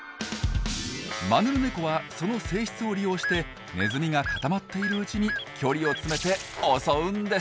マヌルネコはその性質を利用してネズミが固まっているうちに距離を詰めて襲うんです。